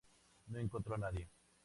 No encontró a nadie.